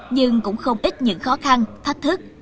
nhưng cũng không ít những khó khăn thách thức